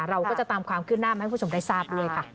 เราก็จะตามความคืบหน้ามาให้คุณผู้ชมได้ทราบด้วยค่ะ